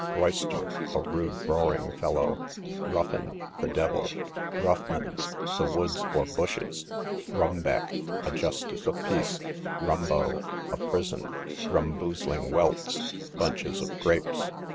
Royster, a rude roaring fellow. Ruffin, the devil. Ruffmans, the woods or bushes. Rumbeck, a justice of peace. Rumbo, a prison. Rumboozling welts, bunches of grapes.